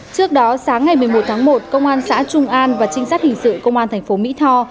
trước đó sáng ngày một mươi một tháng một công an xã trung an và trinh sát hình sự công an thành phố mỹ tho